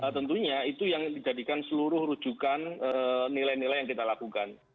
tentunya itu yang dijadikan seluruh rujukan nilai nilai yang kita lakukan